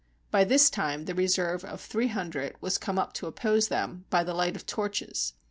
' By this time the reserve of three hundred was come up to oppose them, by the light of torches.